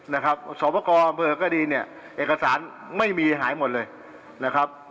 นะครับสอบประกอบอำเภอก็ดีเนี่ยเอกสารไม่มีหายหมดเลยนะครับ